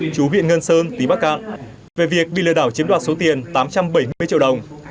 chú viện ngân sơn tỉ bắc cạn về việc bị lừa đảo chiếm đoạt số tiền tám trăm bảy mươi triệu đồng